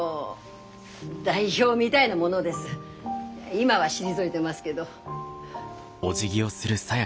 今は退いでますけど。